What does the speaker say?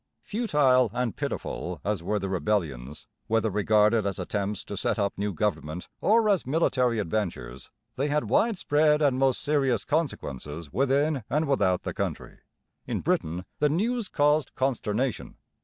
Futile and pitiful as were the rebellions, whether regarded as attempts to set up new government or as military adventures, they had widespread and most serious consequences within and without the country. In Britain the news caused consternation.